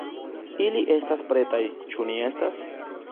Ili estas pretaj, ĉu ni estas?